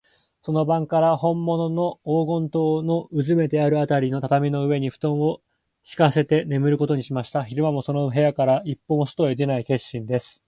その晩から、ほんものの黄金塔のうずめてあるあたりの畳の上に、ふとんをしかせてねむることにしました。昼間も、その部屋から一歩も外へ出ない決心です。